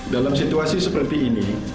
dalam situasi seperti ini